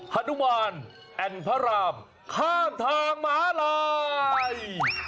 ฮานุบาลแอนด์พระรามข้ามทางม้าลาย